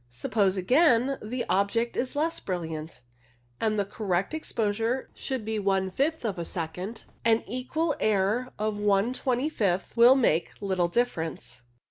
Suppose, again, the object is less brilliant, and the correct exposure should be one fifth of a second, an equal error of one twenty fifth will make little difference.